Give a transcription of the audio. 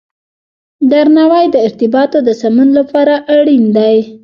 درناوی د ارتباطاتو د سمون لپاره اړین دی.